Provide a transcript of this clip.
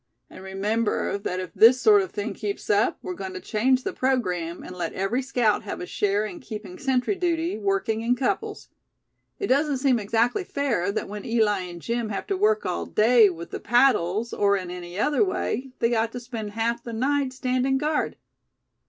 And remember, that if this sort of thing keeps up, we're going to change the programme, and let every scout have a share in keeping sentry duty, working in couples. It doesn't seem exactly fair that when Eli and Jim have to work all day with the paddles, or in any other way, they ought to spend half the night standing guard.